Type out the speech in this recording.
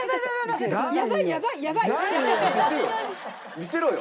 見せろよ！